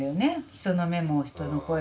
人の目も人の声も。